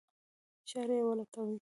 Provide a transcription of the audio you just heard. چاره یې ولټوي.